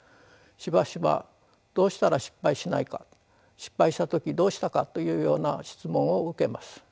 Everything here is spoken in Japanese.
しばしばどうしたら失敗しないか失敗した時どうしたかというような質問を受けます。